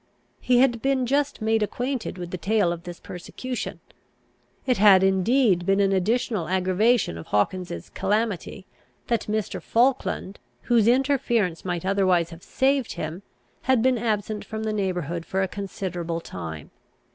He had been just made acquainted with the tale of this persecution. It had indeed been an additional aggravation of Hawkins's calamity, that Mr. Falkland, whose interference might otherwise have saved him, had been absent from the neighbourhood for a considerable time.